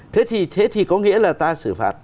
thế thì có nghĩa là ta xử phạt